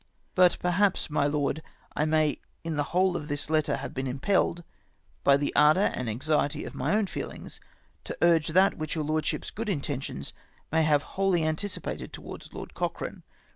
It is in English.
"But perhaps, my Lord, I may in the whole of this letter have been impelled, by the ardour and anxiety of my own feelings, to urge that which your Lordship's good intentions may have wholly anticipated towards Lord Cochrane.